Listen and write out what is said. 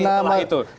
ya mungkin karena